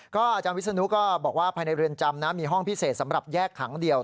อาจารย์วิศนุก็บอกว่าภายในเรือนจำนะมีห้องพิเศษสำหรับแยกขังเดียว